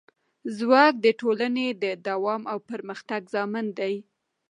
ځواک د ټولنې د دوام او پرمختګ ضامن دی.